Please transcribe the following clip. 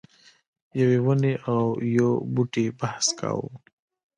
یوې ونې او یو بوټي بحث کاوه.